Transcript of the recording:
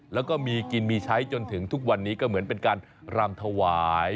แล้วก็มีกินมีใช้จนถึงทุกวันนี้ก็เหมือนเป็นการรำถวาย